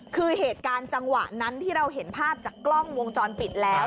คือเหตุการณ์จังหวะนั้นที่เราเห็นภาพจากกล้องวงจรปิดแล้ว